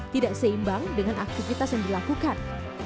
tidak seimbang dengan aktivitas yang dilakukan